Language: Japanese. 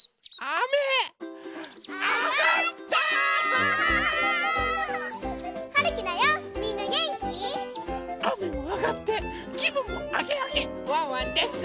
あめもあがってきぶんもあげあげワンワンです！